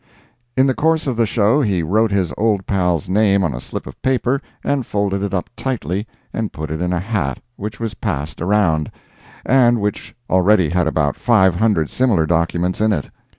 In the course of the show he wrote his old pal's name on a slip of paper and folded it up tightly and put it in a hat which was passed around, and which already had about five hundred similar documents in it.